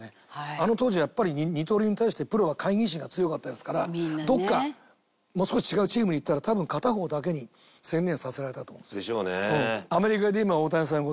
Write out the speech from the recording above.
あの当時はやっぱり二刀流に対してプロは懐疑心が強かったですからどこかもう少し違うチームに行ったら多分片方だけに専念させられたと思うんですよ。でしょうね。